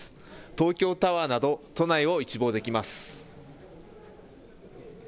東京タワーなど都内を一望できます。